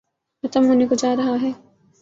ختم ہونے کوجارہاہے۔